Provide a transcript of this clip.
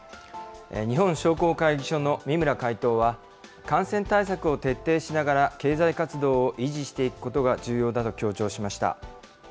日本商工会議所の三村会頭は、感染対策を徹底しながら、経済活動を維持していくことが重要だと強調しました。